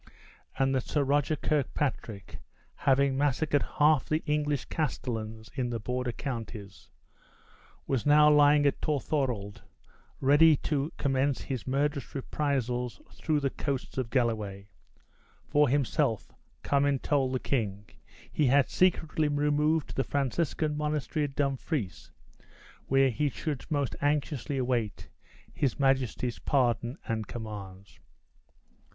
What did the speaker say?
And that Sir Roger Kirkpatrick, after having massacred half the English castellans in the border counties, was now lying at Torthorald ready to commence his murderous reprisals through the coasts of Galloway. For himself, Cummin told the kind he had secretly removed to the Franciscan monastery at Dumfries, where he should most anxiously await his majesty's pardon and commands."